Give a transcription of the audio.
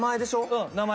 うん名前。